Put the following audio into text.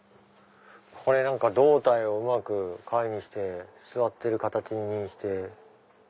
これなんか胴体をうまく貝にして座ってる形にして。